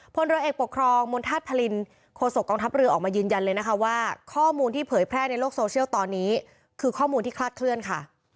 พลเรือเอกปกครองมณฑาตุพลินโคศกองทัพเรือออกมายืนยันเลยนะคะว่าข้อมูลที่เผยแพร่ในโลกโซเชียลตอนนี้คือข้อมูลที่คลาดเคลื่อนค่ะ